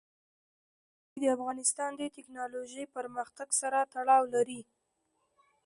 وګړي د افغانستان د تکنالوژۍ پرمختګ سره تړاو لري.